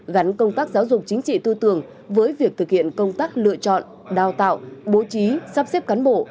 gắn công tác giáo dục chính trị tư tưởng với việc thực hiện công tác lựa chọn đào tạo bố trí sắp xếp cán bộ